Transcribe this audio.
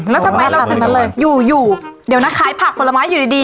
แล้วทำไมเราถึงนั้นเลยอยู่อยู่เดี๋ยวนะขายผักผลไม้อยู่ดี